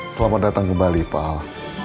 selamat datang kembali pak al